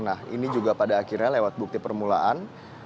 nah ini juga pada akhirnya lewat bukti permulaan